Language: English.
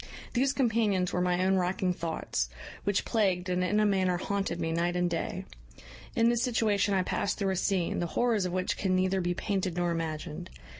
These companions were my own racking thoughts, which plagued and in a manner haunted me night and day. In this situation I past through a scene, the horrors of which can neither be painted nor imagined.